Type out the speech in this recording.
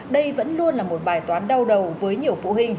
đây vẫn luôn là một bài toán đau đầu với nhiều phụ huynh